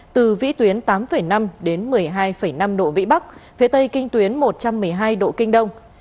từ vĩ tuyến tám năm đến một mươi hai năm độ vĩ bắc phía tây kinh tuyến một trăm một mươi hai độ kinh đông